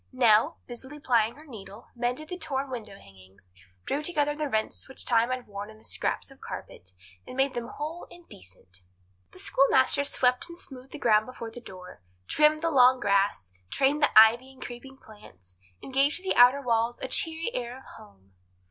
Nell, busily plying her needle, mended the torn window hangings, drew together the rents which time had worn in the scraps of carpet, and made them whole and decent. The schoolmaster swept and smoothed the ground before the door, trimmed the long grass, trained the ivy and creeping plants, and gave to the outer walls a cheery air of home.